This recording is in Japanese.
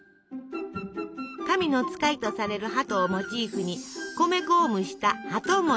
神の使いとされる鳩をモチーフに米粉を蒸した鳩餅。